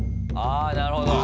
あ、なるほど。